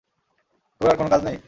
তোর আর কোনো কাজ নেই?